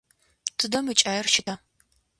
Тыдэ мэкӏаир щыта?